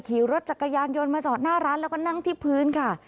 ขี่รถจักรยานยนต์มาจอดหน้าร้านแล้วก็นั่งที่พื้นค่ะ